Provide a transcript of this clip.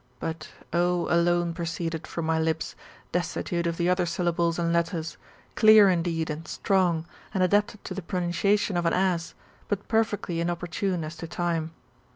I40 THS MBTAIIORPHOSIS, OR alone proceeded [from my lips], destitute of the other syllables and letters, clear indeed and strong, and adapted to the pronunciation of an ass, but perfectly inopportune as to time.